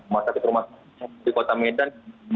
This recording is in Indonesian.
masakit rumah di kota medan